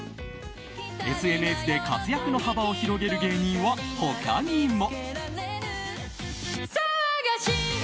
ＳＮＳで活躍の幅を広げる芸人は他にも。